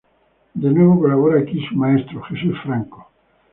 De nuevo colabora aquí su maestro, Jesús Franco.